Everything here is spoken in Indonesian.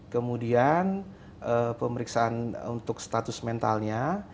kemudian pemeriksaan untuk status mentalnya